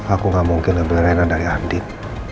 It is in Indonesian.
aku gak mungkin nambah rena dari andin